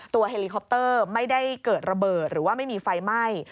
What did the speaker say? เฮลิคอปเตอร์ไม่ได้เกิดระเบิดหรือว่าไม่มีไฟไหม้